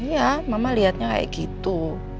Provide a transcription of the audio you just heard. ya mama lihatnya kayak gitu